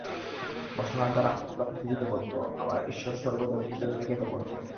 বাসনার দ্বারা আমরা পৃথিবীতে বদ্ধ, আবার ঈশ্বর স্বর্গ দেবদূতের নিকটও বদ্ধ।